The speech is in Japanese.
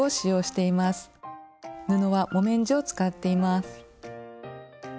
布は木綿地を使っています。